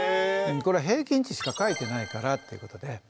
これは平均値しか書いてないからっていうことで。